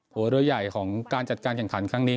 หัวเรือใหญ่ของการจัดการแข่งขันครั้งนี้